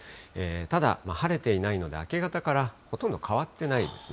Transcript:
ただ、晴れていないので明け方からほとんど変わってないですね。